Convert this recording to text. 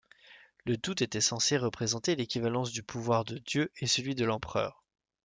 Le tout était censé représenter l'équivalence du pouvoir de Dieu et celui de l'empereur.